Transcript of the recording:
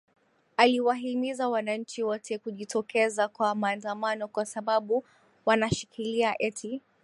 aliwahimiza wananchi wote kujitokeza kwa maandamano kwa sababu wanashikilia eti